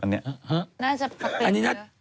น่าจะปกปิด